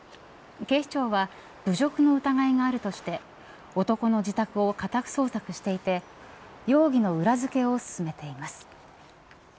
警視庁は侮辱の疑いがあるとして男の自宅を家宅捜索していて容疑の裏づけを進めています。